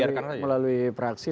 oh ya nanti kami melalui praksi